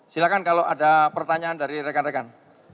silahkan kalau ada pertanyaan dari rekan rekan